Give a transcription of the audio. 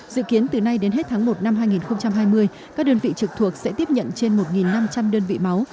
dự kiến từ nay đến hết tháng một năm hai nghìn hai mươi các đơn vị trực thuộc sẽ tiếp nhận trên một năm trăm linh đơn vị máu